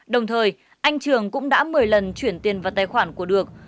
đồng thời anh trường cũng đã một mươi lần chuyển tiền vào tài khoản của được